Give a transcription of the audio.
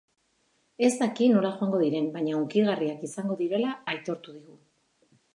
Ez daki nola joango diren, baina hunkigarriak izango direla aitortu digu.